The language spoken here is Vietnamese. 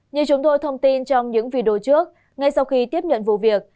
như chúng tôi thông tin trong những video trước ngay sau khi tiếp nhận vụ việc